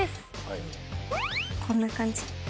こんな感じ。